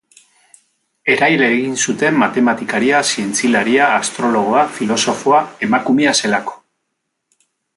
Erail egin zuten matematikaria, zientzialaria, astrologoa, filosofoa, emakumea zelako.